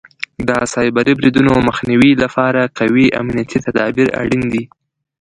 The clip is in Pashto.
د سایبري بریدونو مخنیوي لپاره قوي امنیتي تدابیر اړین دي.